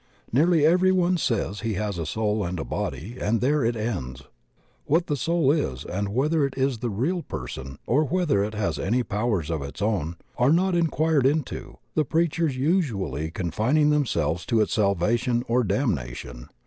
Nearly everyone says he has a soul and a body, and there it ends. What the soul is and whether it is the real person or whether it has any powers of its own, are not inquired into, the preachers usually confining diemselves to its salvation or damna tion.